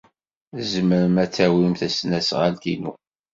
Tzemrem ad tawim tasnasɣalt-inu.